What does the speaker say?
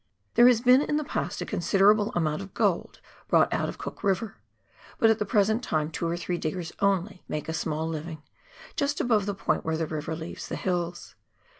There has been in the past a considerable fsmount of gold brought out of Cook River, but at the present time two or three diggers only make a small living, just above the point where the river leaves the hills.